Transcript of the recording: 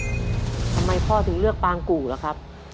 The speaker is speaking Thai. ทำไมพ่อถึงเลือกปางกู่ล่ะครับ